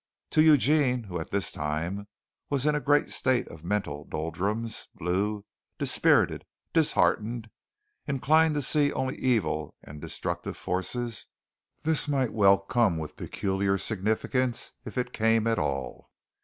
To Eugene, who at this time was in a great state of mental doldrums blue, dispirited, disheartened, inclined to see only evil and destructive forces this might well come with peculiar significance, if it came at all.